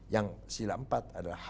yang silah empat adalah